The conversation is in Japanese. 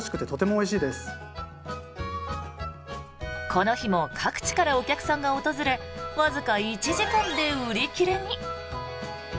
この日も各地からお客さんが訪れわずか１時間で売り切れに。